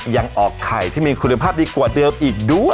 ยังออกไข่ที่มีคุณภาพดีกว่าเดิมอีกด้วย